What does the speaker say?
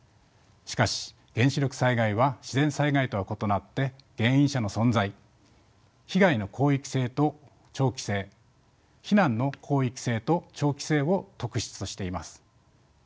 しかし原子力災害は自然災害とは異なって原因者の存在被害の広域性と長期性避難の広域性と長期性を特質としています。